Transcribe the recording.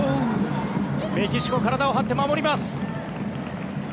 メキシコ、体を張って守ります。